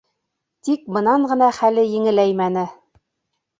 Тик бынан ғына хәле еңеләймәне.